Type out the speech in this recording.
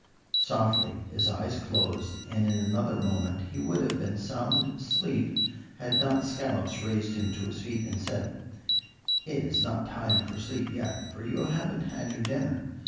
Softly his eyes closed, and in another moment he would have been sound asleep had not Scollops raised him to his feet and said: "It is not time for sleep yet, for you haven't had your dinner.